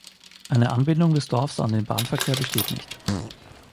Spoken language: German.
Eine Anbindung des Dorfs an den Bahnverkehr besteht nicht.